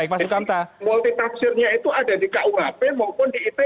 multi tafsirnya itu ada di kuhp maupun di it